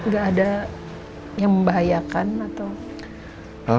gak ada yang membahayakan atau